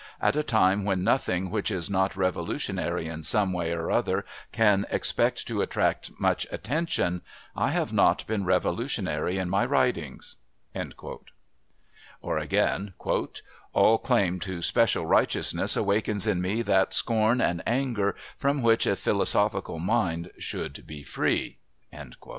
At a time when nothing which is not revolutionary in some way or other can expect to attract much attention I have not been revolutionary in my writings." (Page 20.) Or again: "All claim to special righteousness awakens in me that scorn and anger from which a philosophical mind should be free." (Page 21.)